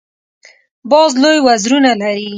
باز لوی وزرونه لري